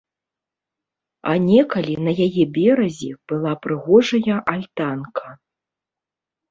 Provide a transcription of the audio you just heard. А некалі на яе беразе была прыгожая альтанка.